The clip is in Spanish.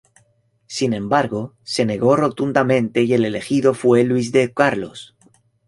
Sin embargo, se negó rotundamente y el elegido fue Luis de Carlos.